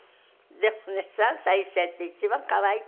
でもね３歳１歳って一番可愛い時。